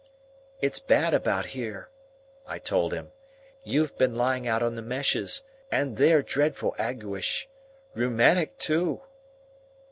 "It's bad about here," I told him. "You've been lying out on the meshes, and they're dreadful aguish. Rheumatic too."